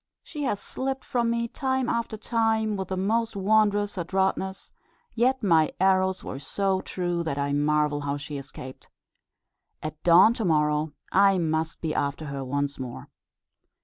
She has slipped from me time after time with the most wondrous adroitness; yet my arrows were so true that I marvel how she escaped. At dawn to morrow I must be after her once more."